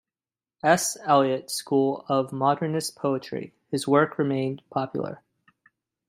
S. Eliot school of Modernist poetry; his work remained popular.